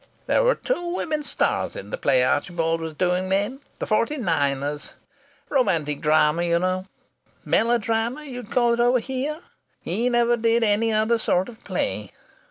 There were two women stars in the play Archibald was doing then 'The Forty Niners.' Romantic drama, you know! Melodrama you'd call it over here. He never did any other sort of play.